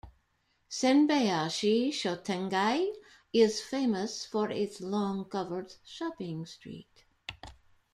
Senbayashi Shotengai is famous for its long covered shopping street.